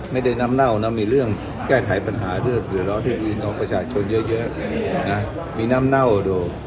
ไม่ได้น้ำเน่านะมีเรื่องแก้ไขปัญหาเพื่อสื่อร้อนที่พี่น้องประชาชนเยอะนะมีน้ำเน่าดู